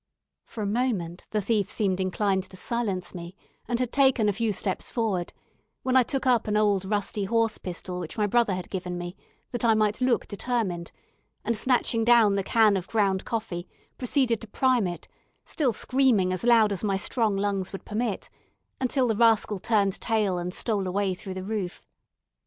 For a moment the thief seemed inclined to silence me, and had taken a few steps forward, when I took up an old rusty horse pistol which my brother had given me that I might look determined, and snatching down the can of ground coffee, proceeded to prime it, still screaming as loudly as my strong lungs would permit, until the rascal turned tail and stole away through the roof.